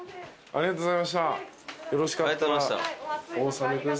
ありがとうございます。